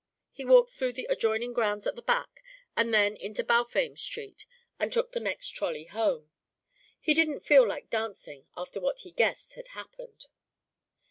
He walked through the adjoining grounds at the back and then into Balfame Street and took the next trolley home. He didn't feel like dancing after what he guessed had happened.